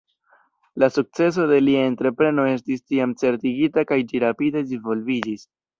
La sukceso de lia entrepreno estis tiam certigita kaj ĝi rapide disvolviĝis.